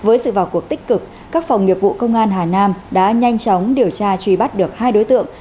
với sự vào cuộc tích cực các phòng nghiệp vụ công an hà nam đã nhanh chóng điều tra truy bắt được hai đối tượng